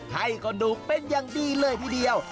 ให้กระดูกเป็นอย่างดีเลยทีเดียว